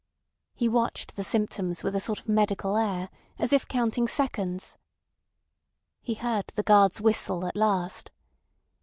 He watched the symptoms with a sort of medical air, as if counting seconds. He heard the guard's whistle at last.